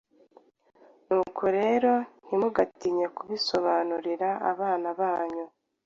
Nuko rero ntimugatinye kubisobanurira abana banyu.”